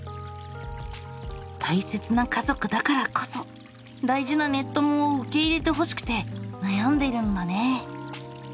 大切な家族だからこそ大事なネッ友を受け入れてほしくて悩んでいるんだね。